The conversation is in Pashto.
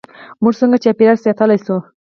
موږ څنګه چاپیریال ساتلی شو؟